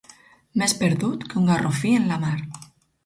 Més perdut que un garrofí en la mar.